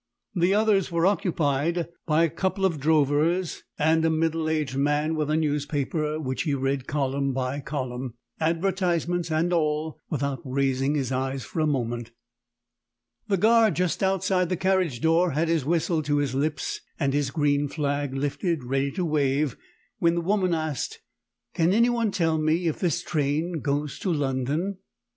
The others were occupied by a couple of drovers and a middle aged man with a newspaper, which he read column by column, advertisements and all, without raising his eyes for a moment. The guard just outside the carriage door had his whistle to his lips, and his green flag lifted ready to wave, when the woman asked "Can anyone tell me if this train goes to London?"